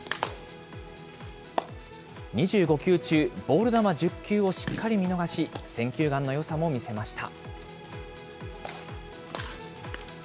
２５球中、ボール球１０球をしっかり見逃し、選球眼のよさも見せました。